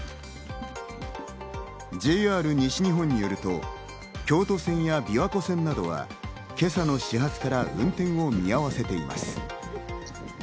ＪＲ西日本によると、京都線や琵琶湖線などは今朝の始発から運転を見合わせています。